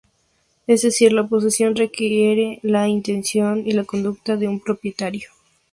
Es decir, la posesión requiere la intención y la conducta de un propietario.